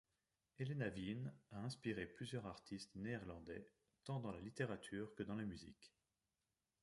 Helenaveen a inspiré plusieurs artistes néerlandais, tant dans la littérature que dans la musique.